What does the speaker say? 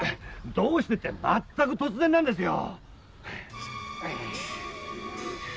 どうしてってまったく突然なんですよ。